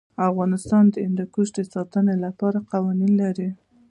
افغانستان د هندوکش د ساتنې لپاره قوانین لري.